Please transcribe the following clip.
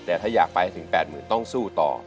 แต่ถ้าอยากไปถึง๘หมื่นต้องสู้ต่อ